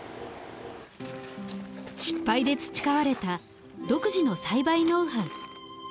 失敗で培われた独自の栽培ノウハウ。